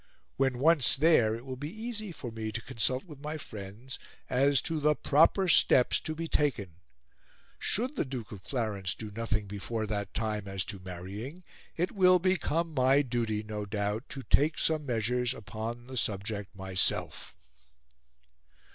When once there, it will be easy for me to consult with my friends as to the proper steps to be taken. Should the Duke of Clarence do nothing before that time as to marrying it will become my duty, no doubt, to take some measures upon the subject myself."